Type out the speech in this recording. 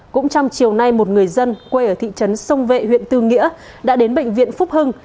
cũng trong chiều nay một người dân quê ở thị trấn sông vệ huyện tư nghĩa đã đến bệnh viện phúc hưng